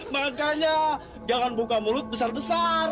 makanya jangan buka mulut besar besar